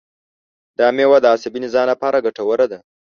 دا مېوه د عصبي نظام لپاره ګټوره ده.